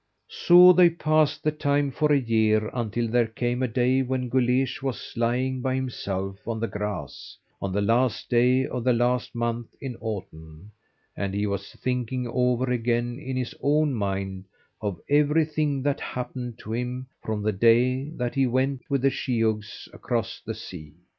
So they passed the time for a year, until there came a day when Guleesh was lying by himself, on the grass, on the last day of the last month in autumn, and he was thinking over again in his own mind of everything that happened to him from the day that he went with the sheehogues across the sea.